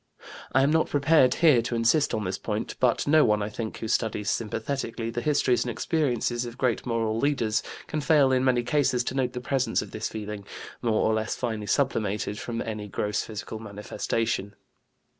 I am not prepared here to insist on this point, but no one, I think, who studies sympathetically the histories and experiences of great moral leaders can fail in many cases to note the presence of this feeling, more or less finely sublimated from any gross physical manifestation.